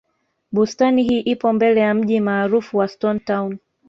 bustani hii ipo mbele ya mji maarufu wa stone town